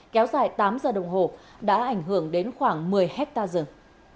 kéo dài tám giờ đồng hồ đã ảnh hưởng đến khoảng một mươi hectare rừng